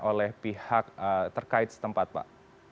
oleh pihak terkait setempat pak